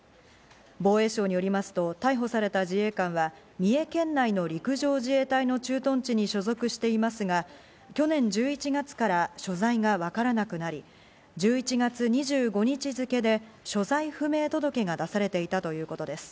防衛省によりますと逮捕された自衛官は三重県内の陸上自衛隊の駐屯地に所属していますが、去年１１月から所在がわからなくなり、１１月２５日付で所在不明届が出されていたということです。